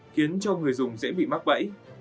khiến cho người dùng dễ bị mắc bẫy